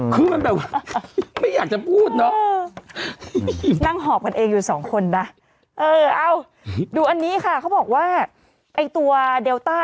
กาบเหอะอ่ะไม่อยากจะพูดเนาะนั้งหอบกันเองอยู่สองคนสิเออค่ะเขาบอกว่าเอ้ยตัวแดลตา